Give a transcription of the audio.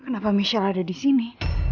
kenapa michelle ada di sini